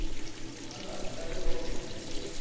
まずは材料を切っていきます。